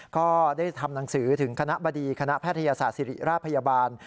ก็ได้ทำหนังสือถึงคณะบดีคณะแพทยศาสตร์ศิริราชพยาบาล